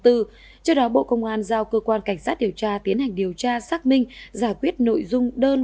trước đó bộ công an giao cơ quan cảnh sát điều tra tiến hành điều tra xác minh giải quyết nội dung đơn